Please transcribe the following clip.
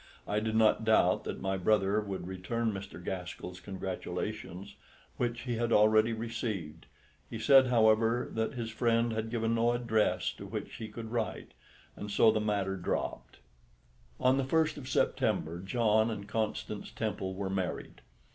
I did not doubt that my brother would return Mr. Gaskell's congratulations, which he had already received: he said, however, that his friend had given no address to which he could write, and so the matter dropped. On the 1st of September John and Constance Temple were married.